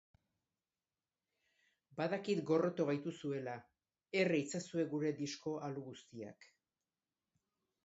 Badakit gorroto gaituzuela, erre itzazue gure disko alu guztiak.